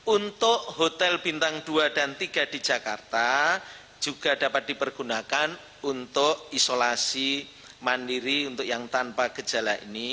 untuk hotel bintang dua dan tiga di jakarta juga dapat dipergunakan untuk isolasi mandiri untuk yang tanpa gejala ini